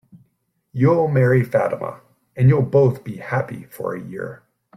You'll marry Fatima, and you'll both be happy for a year.